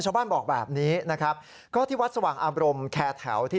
ชาวบ้านบอกแบบนี้ที่วัดสว่างอารมณ์แค่แถวที่